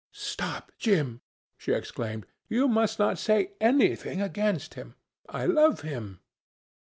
"Stop, Jim!" she exclaimed. "You must not say anything against him. I love him."